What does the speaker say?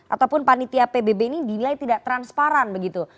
ataupun panitia pbb ini dinilai tidak transparan begitu